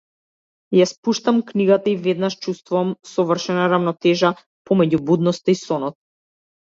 Ја спуштам книгата и веднаш чувствувам совршена рамнотежа помеѓу будноста и сонот.